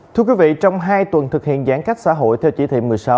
thưa quý vị trong hai tuần thực hiện giãn cách xã hội theo chỉ thị một mươi sáu